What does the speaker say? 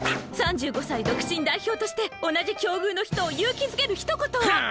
３５歳独身代表として同じ境遇の人を勇気づけるひと言を！